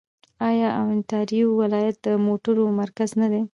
آیا اونټاریو ولایت د موټرو مرکز نه دی؟